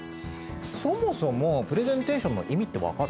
そもそもプレゼンテーションの意味って分かる？